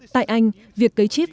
tại anh việc cấy chip